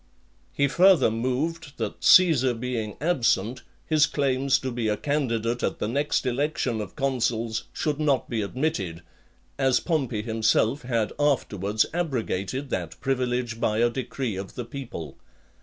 He further moved, that Caesar being absent, his claims to be a candidate at the next election of consuls should not be admitted, as Pompey himself had afterwards abrogated that privilege by a decree of the people.